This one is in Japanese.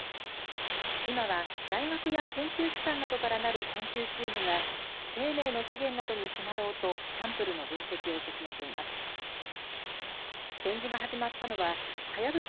今は大学や研究機関などからなる研究チームが生命の起源などに迫ろうとサンプルの分析を進めています。